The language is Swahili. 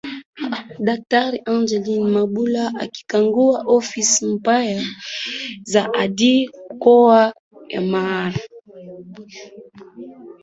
Daktari Angeline Mabula akikagua ofisi mpya za Ardhi mkoa wa Mara